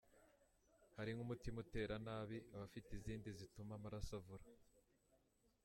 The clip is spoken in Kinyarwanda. Hari nk’umutima utera nabi, abafite izindi zituma amaraso avura